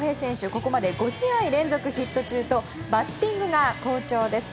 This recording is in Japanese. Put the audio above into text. ここまで５試合連続ヒット中とバッティングが好調です。